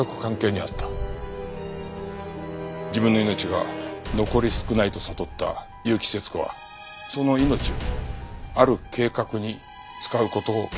自分の命が残り少ないと悟った結城節子はその命をある計画に使う事を決意したんです。